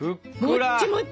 もっちもち！